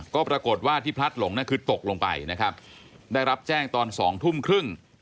ก็ปรากฏว่าที่พลัดหลงคือตกลงไปนะครับได้รับแจ้งตอนสองทุ่มครึ่ง